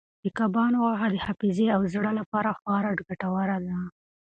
د کبانو غوښه د حافظې او زړه لپاره خورا ګټوره ده.